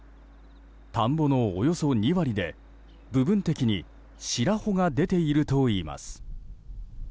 田んぼのおよそ２割で、部分的に白穂が出ているといいます。